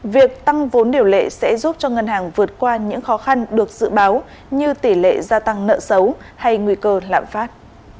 việc tăng vốn điều lệ sẽ giúp cho ngân hàng vượt qua những khó khăn được dự báo như tỷ lệ gia tăng nợ xấu hay nguy cơ lạm phát